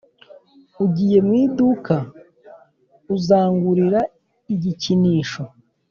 ugiye mu iduka? uzangurira igikinisho?